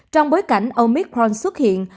trong bối cảnh omicron xuất hiện